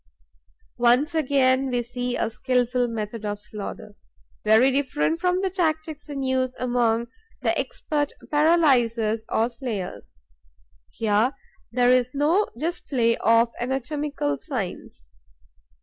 Once again, we see a skilful method of slaughter, very different from the tactics in use among the expert paralyzers or slayers. Here there is no display of anatomical science.